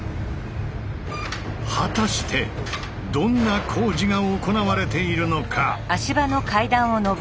果たしてどんな工事が行われているのか？